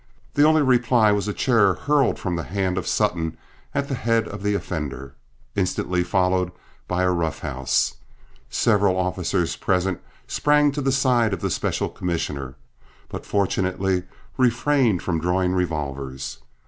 The only reply was a chair hurled from the hand of Sutton at the head of the offender, instantly followed by a rough house. Several officers present sprang to the side of the special commissioner, but fortunately refrained from drawing revolvers.